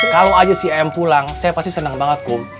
kalau aja cim pulang saya pasti senang banget kum